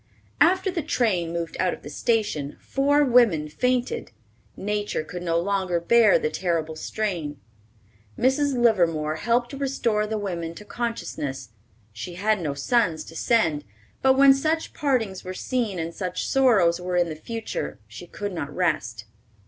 After the train moved out of the station, four women fainted; nature could no longer bear the terrible strain. Mrs. Livermore helped restore the women to consciousness. She had no sons to send; but when such partings were seen, and such sorrows were in the future, she could not rest.